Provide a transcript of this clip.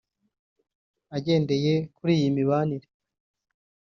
Agendeye kuri iyi mibare